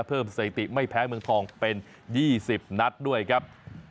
สถิติไม่แพ้เมืองทองเป็น๒๐นัดด้วยครับ